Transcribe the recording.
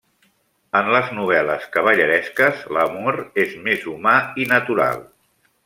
En les novel·les cavalleresques, l'amor és més humà i natural.